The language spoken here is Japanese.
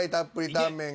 タンメン。